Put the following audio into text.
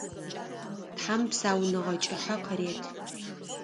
Тхьам псэуныгъэ кӏыхьэ къырет.